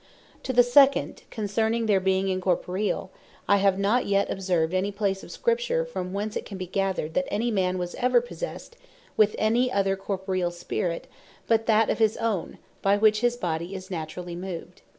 To the second, concerning their being Incorporeall, I have not yet observed any place of Scripture, from whence it can be gathered, that any man was ever possessed with any other Corporeal Spirit, but that of his owne, by which his body is naturally moved.